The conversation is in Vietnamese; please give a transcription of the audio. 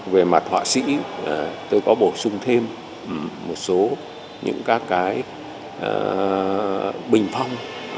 về mặt họa sĩ tôi có bổ sung thêm một số những các cái bình phong